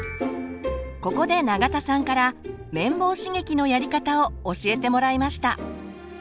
ここで永田さんから綿棒刺激のやり方を教えてもらいました。